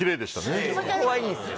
そこはいいんですよ